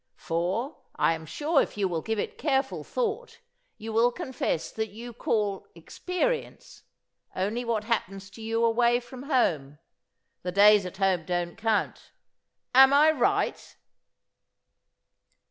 For, I am sure if you will give it careful thought you will confess that you call 'experience' only what happens to you away from home. The days at home don't count. Am I right?"